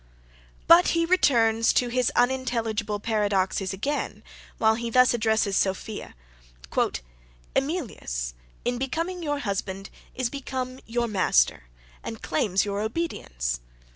But he returns to his unintelligible paradoxes again, when he thus addresses Sophia. "Emilius, in becoming your husband, is become your master, and claims your obedience.